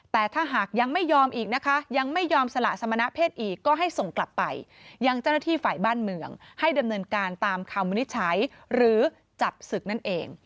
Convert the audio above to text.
แต่ถ้าหากยังไม่ยอมอีกนะคะยังไม่ยอมสละสมณเพศอีกก็ให้ส่งกลับไปยังเจ้าหน้าที่ฝ่ายบ้านเมืองให้ดำเนินการตามคำวินิจฉัยหรือจับศึกนั่นเอง